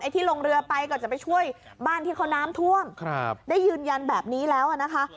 ที่ลงเรือไปก็จะไปช่วยบ้านที่เขาน้ำท่วมได้ยืนยันแบบนี้แล้วนะคะ